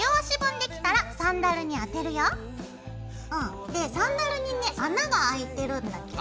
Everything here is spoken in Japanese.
でサンダルにね穴があいてるんだけど。